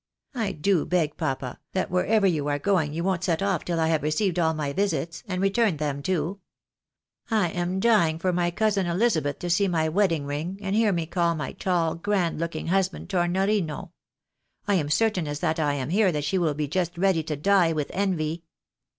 I do beg, papa, that wherever you are going, you won't set off till I have received all my visits, and returned them too. I am dying for my cousin Elizabeth to see my wedding ring, and hear me call my tall, grand looking husband, Tornorino. I am certain as that I am here, that she will be just ready to die with envy."